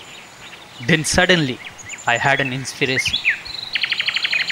Then suddenly I had an inspiration.